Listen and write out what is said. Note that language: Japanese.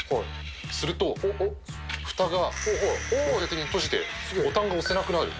すると、ふたが閉じて、ボタンが押せなくなる。